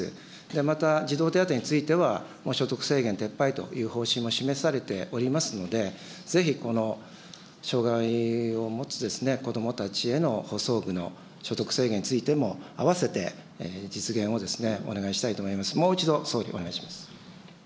また、児童手当については、所得制限撤廃というを示されておりますので、ぜひこの障害を持つ子どもたちへの補装具の所得制限についても、併せて実現をお願いしたいと思います。